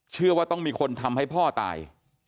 เชื่อว่าต้องมีคนทำให้พ่อตาย